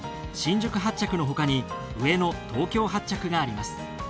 新宿発着の他に上野東京発着があります。